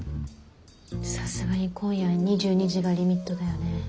さすがに今夜２２時がリミットだよね。